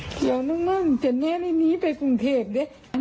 เดี๋ยวนั่งจะแน่นิ้นหนีไปกรุงเทศด้วย